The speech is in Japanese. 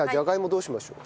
どうしましょう？